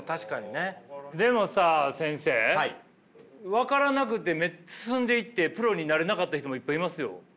分からなくて進んでいってプロになれなかった人もいっぱいいますよ。